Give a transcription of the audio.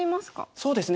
そうですね